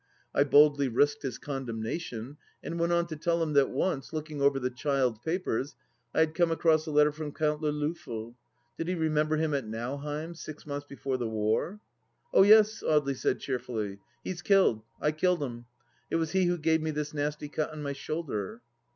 I boldly risked his condemnation, and went on to tell him that, once, looking over the child's papers, I had come across a letter from Count le Loffel — did he remem ber him at Nauheim, six months before the war ? "Oh, yes," Audely said cheerfully. "He's killed. I killed him. It was he who gave me this nasty cut on my shoulder."